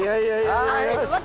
はい。